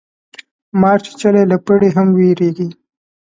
مار چیچلی له پړي هم ویریږي